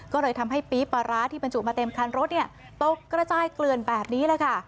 ก็เลยทำให้ปี๊บปลาร้าที่บรรจุมาเต็มคันรถตกกระจายเกลือนแบบนี้แหละค่ะ